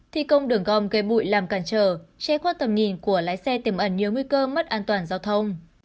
thi công đường gom gây bụi làm cản trở che khuất tầm nhìn của lái xe tiềm ẩn nhiều nguy cơ mất an toàn giao thông